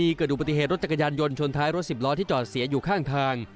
เกิดดูปฏิเหตุรถจักรยานยนต์ชนท้ายรถสิบล้อที่จอดเสียอยู่ข้างทาง